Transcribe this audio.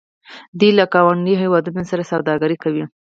دوی له ګاونډیو هیوادونو سره سوداګري کوي.